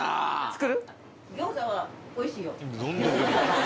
作る？